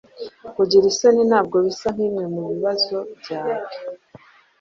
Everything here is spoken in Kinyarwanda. Kugira isoni ntabwo bisa nkimwe mubibazo byawe.